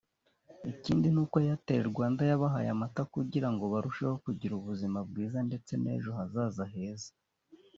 Ikindi ni uko Airtel Rwanda yabahaye amata kugira ngo barusheho kugira ubuzima bwiza ndetse n’ejo hazaza heza